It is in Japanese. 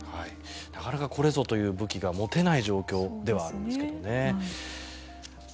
なかなかこれぞという武器が持てない状況ではあるんですけどね。